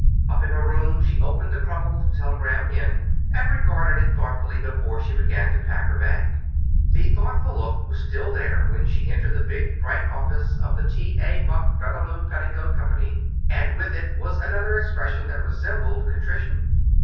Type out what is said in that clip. Up in her room she opened the crumpled telegram again, and regarded it thoughtfully before she began to pack her bag. The thoughtful look was still there when she entered the big bright office of the T. A. Buck Featherloom Petticoat Company. And with it was another expression that resembled contrition.